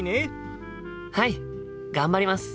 はい頑張ります！